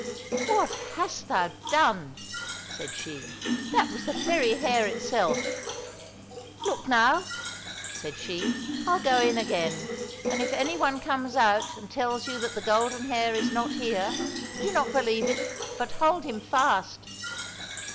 —" What hast thou done ?" said she ;" that was the very hare itself. Look now !" said she, " I'll go in again, and if any one comes out and tells you that the golden hare is not here, don't believe it, but hold him fast."